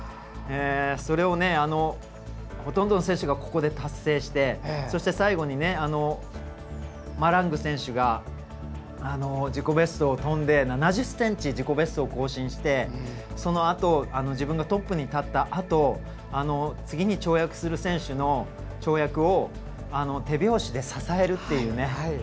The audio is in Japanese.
それを、ほとんどの選手がここで達成してそして最後に、マラング選手が自己ベストを跳んで７０ｃｍ自己ベストを更新して自分がトップに立ったあと次に跳躍する選手の跳躍を手拍子で支えるっていうね。